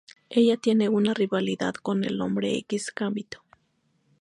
Ella tiene una rivalidad con el Hombre X, Gambito.